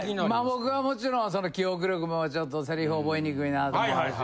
僕はもちろん記憶力もちょっとセリフ覚えにくいのもあるし